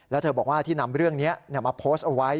แล้วเธอบอกว่าที่นำเรื่องนี้มาโพสต์เอาไว้